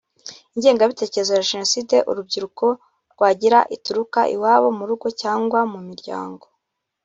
ingengabitekerezo ya Jenoside urubyiruko rwagira ituruka iwabo mu rugo cyangwa mu miryango